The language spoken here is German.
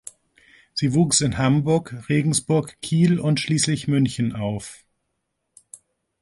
Sie wuchs in Hamburg, Regensburg, Kiel und schließlich München auf.